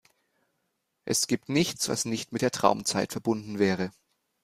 Es gibt nichts, was nicht mit der Traumzeit verbunden wäre.